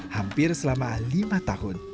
hampir selama lima tahun